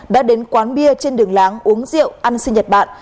đã đến quán bia trên đường láng uống rượu ăn sinh nhật bạn